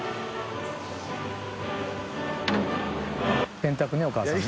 洗濯ねお母さんね。